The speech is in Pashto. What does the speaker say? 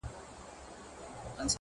• له مودو وروسته يې کرم او خرابات وکړ؛